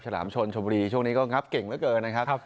ลามชนชมบุรีช่วงนี้ก็งับเก่งเหลือเกินนะครับ